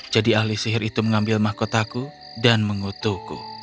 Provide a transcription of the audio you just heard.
jadi ahli sihir itu mengambil mahkotaku dan mengutuhku